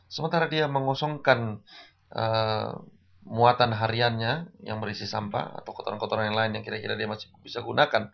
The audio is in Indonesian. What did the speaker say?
sementara dia mengosongkan muatan hariannya yang merisi sampah atau kotoran kotoran yang lain yang kira kira dia masih bisa gunakan